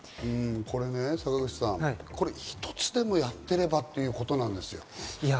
これ坂口さん、一つでもやってればっていうことなんです。